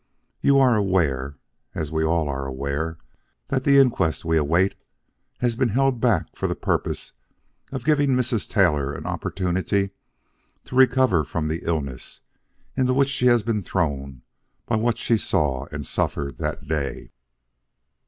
You are aware we all are aware that the inquest we await has been held back for the purpose of giving Mrs. Taylor an opportunity to recover from the illness into which she has been thrown by what she saw and suffered that day.